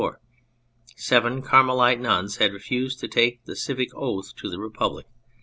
Seven Carmelite nuns had refused to take the civic oath to the Republic.